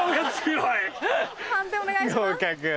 合格。